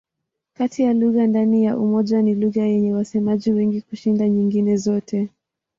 Kati ya lugha ndani ya Umoja ni lugha yenye wasemaji wengi kushinda nyingine zote.